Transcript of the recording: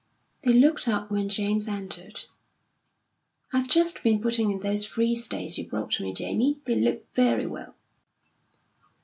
They looked up when James entered. "I've just been putting in those Free States you brought me, Jamie. They look very well."